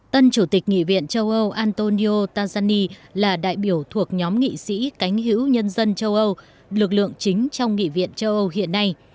tân chủ tịch nghị viện châu âu antonio tajani là đại biểu thuộc nhóm nghị sĩ cánh hữu nhân dân châu âu lực lượng chính trong nghị viện châu âu hiện nay